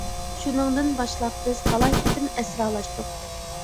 شۇنىڭدىن باشلاپ بىز تالاي قېتىم ئەسرالاشتۇق.